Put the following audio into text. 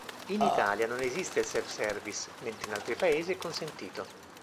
In Italia non esiste il self-service, mentre in altri paesi è consentito.